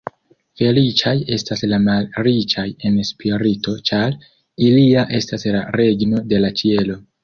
Feliĉaj estas la malriĉaj en spirito, ĉar ilia estas la regno de la ĉielo.